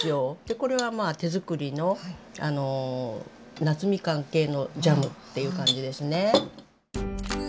これは手づくりの夏みかん系のジャムっていう感じですね。